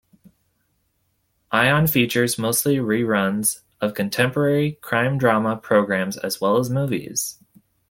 Ion features mostly reruns of contemporary crime-drama programs as well as movies.